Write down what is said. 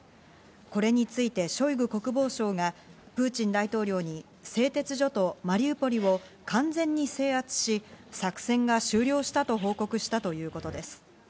これについてショイグ国防相がプーチン大統領に製鉄所とマリウポリを完全に制圧し、作戦が終了したと報告したということです。